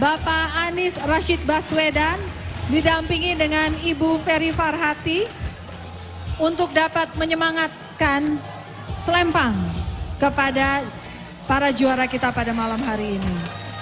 bapak anies rashid baswedan didampingi dengan ibu ferry farhati untuk dapat menyemangatkan selempang kepada para juara kita pada malam hari ini